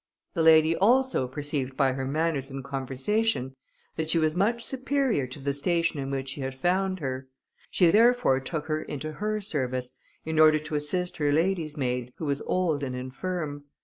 The lady also perceived by her manners and conversation, that she was much superior to the station in which she had found her; she therefore took her into her service, in order to assist her lady's maid, who was old and infirm.